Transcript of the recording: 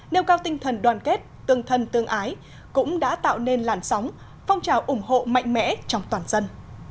nêu cao tinh thần đoàn kết tương thân tương ái cũng đã tạo nên làn sóng phong trào ủng hộ mạnh mẽ trong toàn dân